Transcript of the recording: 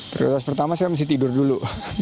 prioritas pertama saya mesti tidur dulu